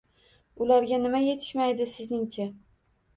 Ularga nima yetishmaydi sizningcha?